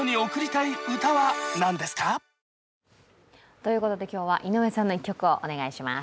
ということで今日は井上さんの１曲をお願いします。